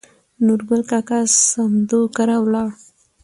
نورګل کاکا سمدو کره ولاړو.